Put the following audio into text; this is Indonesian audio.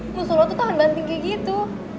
musuh lo tuh tangan bahan tinggi gitu